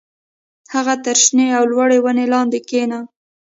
هغه تر شنې او لوړې ونې لاندې کېنه